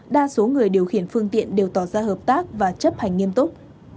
đa số người điều khiển phương tiện đều tỏ ra hợp tác và chấp hành nghiêm túc